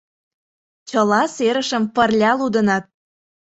Чыла серышым пырля лудыныт.